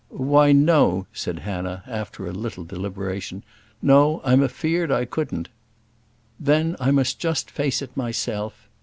"Why no," said Hannah, after a little deliberation; "no, I'm afeard I couldn't." "Then I must just face it myself."